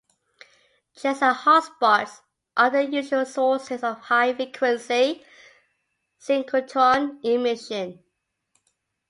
Jets and hotspots are the usual sources of high-frequency synchrotron emission.